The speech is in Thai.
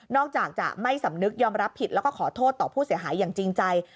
อกจากจะไม่สำนึกยอมรับผิดแล้วก็ขอโทษต่อผู้เสียหายอย่างจริงใจ